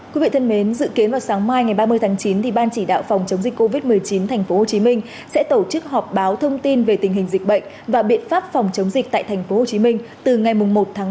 quý vị thân mến dự kiến vào sáng mai ngày ba mươi tháng chín ban chỉ đạo phòng chống dịch covid một mươi chín tp hcm sẽ tổ chức họp báo thông tin về tình hình dịch bệnh và biện pháp phòng chống dịch tại tp hcm từ ngày một tháng năm